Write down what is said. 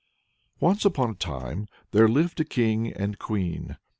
Once upon a time there lived a king and queen.